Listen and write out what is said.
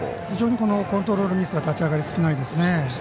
非常にコントロールミスが立ち上がり少ないですね。